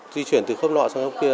di chuyển từ khớp nọ sang khớp kia